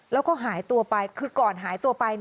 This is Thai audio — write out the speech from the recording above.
แล้วก็หายตัวไปคือก่อนหายตัวไป